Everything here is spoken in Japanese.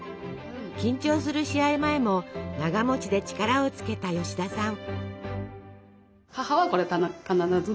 緊張する試合前もながで力をつけた吉田さん。